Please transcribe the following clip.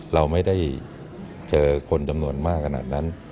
เราไม่ได้เจอคนจำนวนมากขนาดนั้น